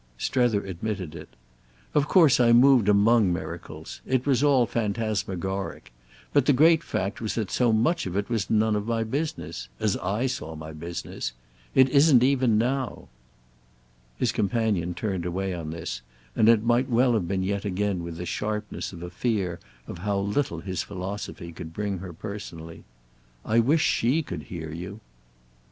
Strether admitted it. "Of course I moved among miracles. It was all phantasmagoric. But the great fact was that so much of it was none of my business—as I saw my business. It isn't even now." His companion turned away on this, and it might well have been yet again with the sharpness of a fear of how little his philosophy could bring her personally. "I wish she could hear you!"